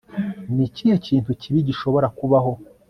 ni ikihe kintu kibi gishobora kubaho